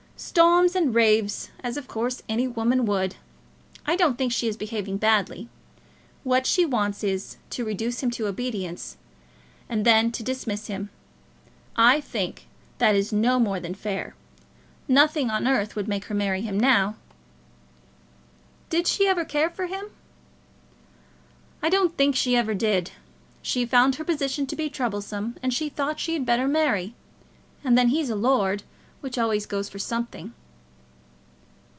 "Storms and raves, as of course any woman would. I don't think she is behaving badly. What she wants is, to reduce him to obedience, and then to dismiss him. I think that is no more than fair. Nothing on earth would make her marry him now." "Did she ever care for him?" "I don't think she ever did. She found her position to be troublesome, and she thought she had better marry. And then he's a lord, which always goes for something."